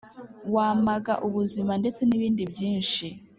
wamaga ubuzima ndetse nibindi byinshi;